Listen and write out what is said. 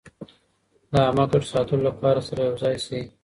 د عامه ګټو ساتلو لپاره سره يو ځای سئ.